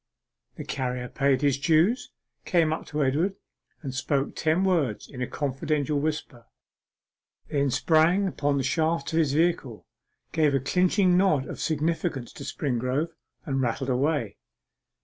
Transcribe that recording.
The carrier paid his dues, came up to Edward, and spoke ten words in a confidential whisper: then sprang upon the shafts of his vehicle, gave a clinching nod of significance to Springrove, and rattled away.